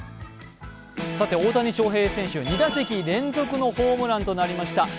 大谷翔平選手、２打席連続のホームランとなりました。